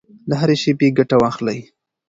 له هرې شېبې ګټه واخلئ.